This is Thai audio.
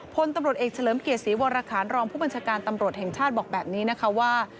พลตำรวจเอกเฉลิมเกียรติศรีวรคารรองผู้บัญชาการตำรวจแห่งชาติบอกแบบนี้นะคะว่า